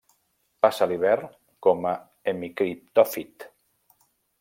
Passa l'hivern com a hemicriptòfit.